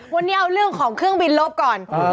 วันนี้เอาเรื่องของเครื่องบินลบก่อน